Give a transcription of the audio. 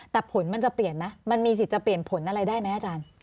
แต่ผลมันจะเปลี่ยนไหมมันมีสิทธิ์จะเปลี่ยนผลอะไรได้ไหมอาจารย์